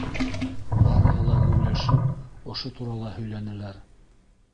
Барыһы ла геүләшеп ошо турала һөйләнеләр.